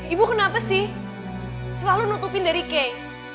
ibu kenapa sih selalu nutupin dari kay